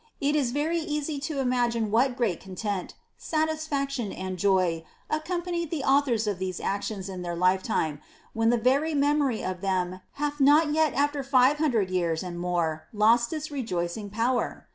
It is very easy then to imagine what great content, satisfaction, and joy accom panied the authors of these actions in their lifetime, when the very memory of them hath not yet after five hundred years and more lost its rejoicing power.